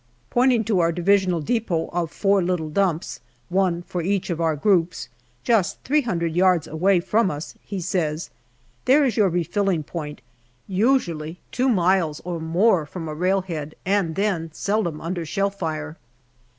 Pointing to our Divisional depot of four little dumps, one for each of our groups, just three hundred yards away from us, he says :" There is your refilling point, usually two miles or more from railhead, and then seldom under shell fire."